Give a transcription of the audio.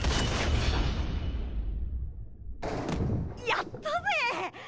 やったぜ！